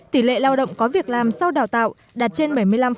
tỷ lệ lao động có việc làm sau đào tạo đạt trên bảy mươi năm